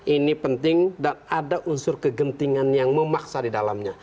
ini penting dan ada unsur kegentingan yang memaksa di dalamnya